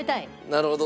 なるほど。